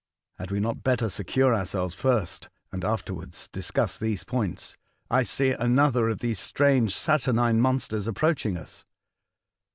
" Had we not better secure ourselves first, and afterwards discuss these points ? I see another of these strange. Saturnine monsters approaching us."